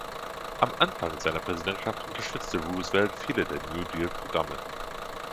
Am Anfang seiner Präsidentschaft unterstützte Roosevelt viele der New-Deal-Programme.